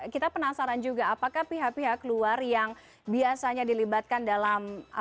kita penasaran juga apakah pihak pihak luar yang biasanya dilibatkan dalam